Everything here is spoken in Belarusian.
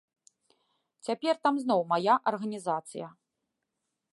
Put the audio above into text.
Цяпер там зноў мая арганізацыя.